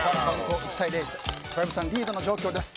小籔さんリードの状況です。